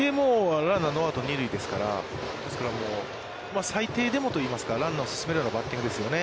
ランナーノーアウト、二塁ですから、ですから、最低でもといいますか、ランナーを進めるようなバッティングですよね。